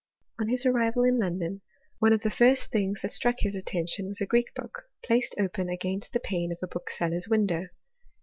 On his arrival in London, one of the first things that struck his attention was a Greek book, placed open against the pane of a bookseller's window.